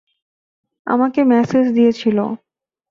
আমাকে মেসেজ দিয়েছিল।